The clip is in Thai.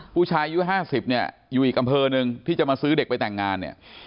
ผู้ชายอยู่๕๐อยู่อีกอำเภอหนึ่งที่จะมาซื้อเด็กไปแต่งงาน